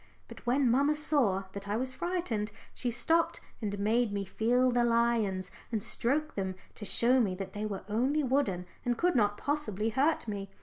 But when mamma saw that I was frightened, she stopped and made me feel the lions and stroke them to show me that they were only wooden and could not possibly hurt me.